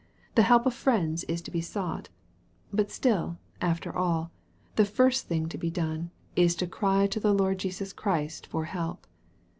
The help of friends is to be sought. But still, after all, the first thing to be done, is to cry to the Lord Jesus Christ for help.